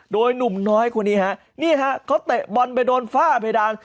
โดยหนุ่มน้อยคนนี้ฮะนี่ฮะเขาเตะบอลไปโดนฝ้าเพดาน